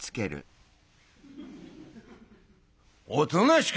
「おとなしく」。